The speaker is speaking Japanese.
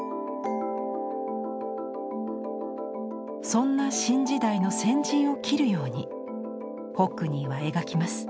そんな新時代の先陣を切るようにホックニーは描きます。